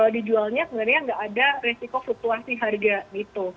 dijualnya sebenarnya tidak ada resiko fluktuasi harga itu